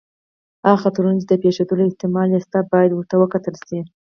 هغه خطرونه چې د پېښېدلو احتمال یې شته، باید ورته وکتل شي.